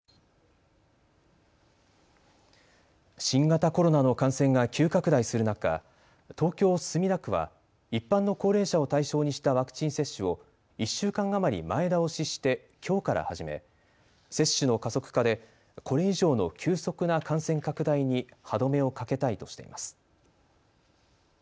新型コロナの感染が急拡大する中、東京墨田区は一般の高齢者を対象にしたワクチン接種を１週間余り前倒ししてきょうから始め接種の加速化でこれ以上の急速な感染拡大に歯止めをかけたいとしています。